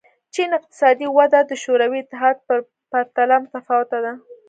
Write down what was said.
چین اقتصادي وده د شوروي اتحاد په پرتله متفاوته ده.